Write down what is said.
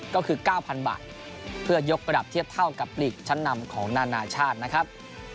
ก็คือ๙๐๐บาทเพื่อยกระดับเทียบเท่ากับลีกชั้นนำของนานาชาตินะครับ